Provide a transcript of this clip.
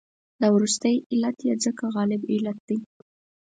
دا وروستی علت یې ځکه غالب علت دی.